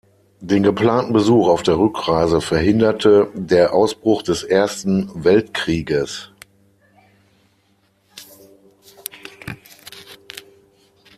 Den geplanten Besuch auf der Rückreise verhinderte der Ausbruch des Ersten Weltkrieges.